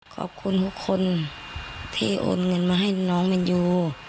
ขอบคุณทุกคนที่โอนเงินมาให้น้องแมนยู